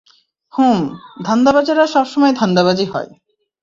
হুম, ধান্দাবাজেরা সবসময় ধান্দাবাজই হয়!